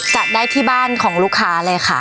จัดได้ที่บ้านของลูกค้าเลยค่ะ